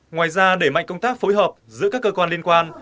ngoài ra để mạnh công tác phối hợp giữa các cơ quan liên quan